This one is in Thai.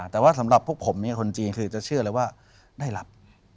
แต่สำหรับผมคนจีนคือจะเชื่อได้รับ